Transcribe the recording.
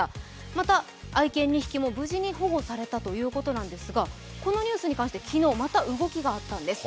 また愛犬２匹も無事に保護されたということなんですがこのニュースに関して、昨日、また動きがあったんです。